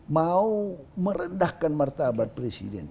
mau merendahkan martabat presiden